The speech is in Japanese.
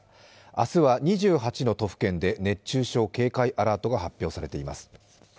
明日は２８の都府県で熱中症警戒アラートが発表されています。